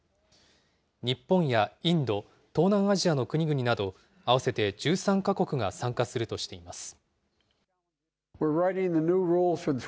日本やインド、東南アジアの国々など、合わせて１３か国が参加するとしています。